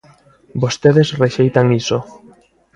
Vostedes rexeitan iso.